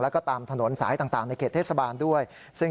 แล้วก็ตามถนนสายต่างในเขตเทศบาลด้วย